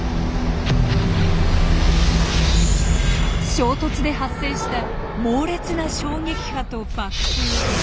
衝突で発生した猛烈な衝撃波と爆風。